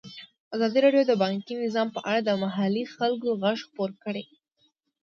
ازادي راډیو د بانکي نظام په اړه د محلي خلکو غږ خپور کړی.